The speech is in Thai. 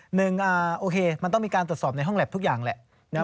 หนึ่งโอเคมันต้องมีการตรวจสอบในห้องแล็บทุกอย่างแหละ